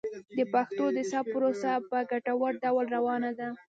د پښتو د ثبت پروسه په ګټور ډول روانه ده.